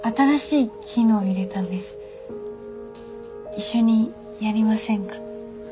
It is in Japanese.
一緒にやりませんか？